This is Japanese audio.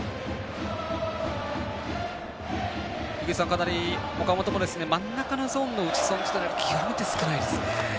かなり、岡本も真ん中のゾーンの打ち損じが極めて少ないですね。